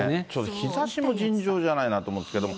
日ざしも尋常じゃないなと思うんですけど。